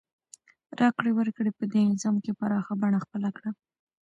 راکړې ورکړې په دې نظام کې پراخه بڼه خپله کړه.